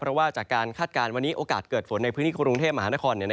เพราะว่าจากการคาดการณ์วันนี้โอกาสเกิดฝนในพื้นที่กรุงเทพมหานคร